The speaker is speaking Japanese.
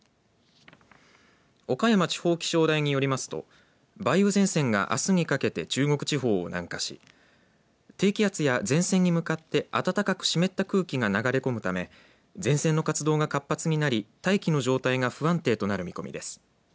岡山地方気象台によりますと梅雨前線があすにかけて中国地方を南下し低気圧や前線に向かって暖かく湿った空気が流れ込むため前線の活動が活発になり大気の状態が不安定となる見込みです。